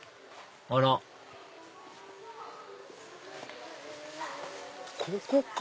あらここか！